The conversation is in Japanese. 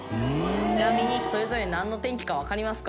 ちなみにそれぞれなんの天気かわかりますか？